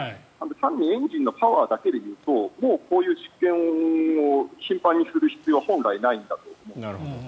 単にエンジンのパワーだけで言うともうこういう実験を頻繁にする必要は本来ないんだと。